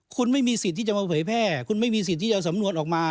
คุณไม่มีสิทธิ์ที่จะมาเผยแพร่คุณไม่มีสิทธิ์ที่จะเอาสำนวนออกมา